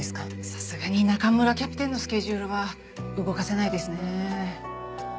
さすがに中村キャプテンのスケジュールは動かせないですね。